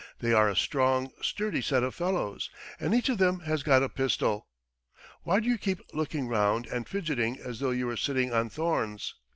... They are a strong, sturdy set of fellows. ... And each of them has got a pistol. Why do you keep looking round and fidgeting as though you were sitting on thorns?